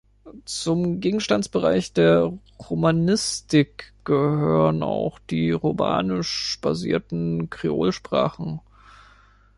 Zum Gegenstandsbereich der Romanistik gehören auch die romanisch basierten Kreolsprachen.